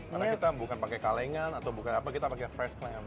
karena kita bukan pakai kalengan atau bukan apa kita pakai fresh clam